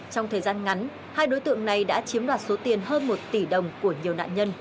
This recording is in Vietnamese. trong thời gian ngắn hai đối tượng này đã chiếm đoạt số tiền hơn một tỷ đồng của nhiều nạn nhân